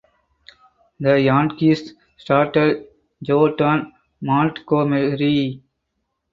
The Yankees started Jordan Montgomery.